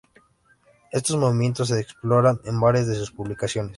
Estos "movimientos" se exploran en varias de sus publicaciones.